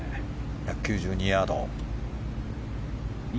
１９２ヤード。